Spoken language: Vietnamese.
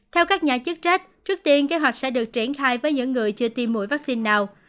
theo các nhà chức trách trước tiên kế hoạch sẽ được triển khai với những người chưa tiêm mũi vaccine nào